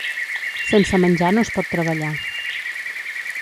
Sense menjar no es pot treballar.